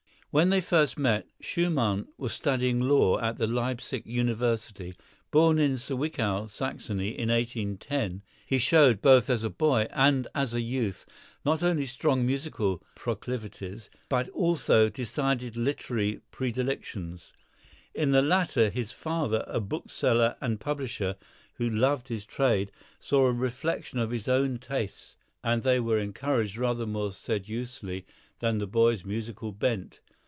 When they first met, Schumann was studying law at the Leipsic University. Born in Zwickau, Saxony, in 1810, he showed both as a boy and as a youth not only strong musical proclivities, but also decided literary predilections. In the latter his father, a bookseller and publisher, who loved his trade, saw a reflection of his own tastes, and they were encouraged rather more sedulously than the boy's musical bent.